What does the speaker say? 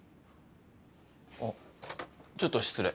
あっちょっと失礼。